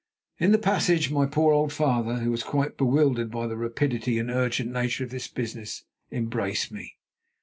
In the passage my poor old father, who was quite bewildered by the rapidity and urgent nature of this business, embraced me.